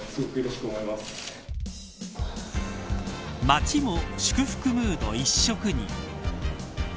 街も祝福ムード一色に。